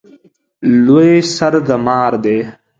لوی سر د مار دی